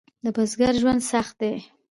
د بزګر ژوند سخت دی؟